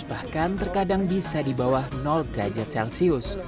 bahkan terkadang bisa di bawah derajat celcius